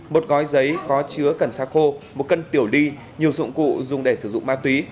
một gói giấy có chứa cần xa khô một cân tiểu ly nhiều dụng cụ dùng để sử dụng ma túy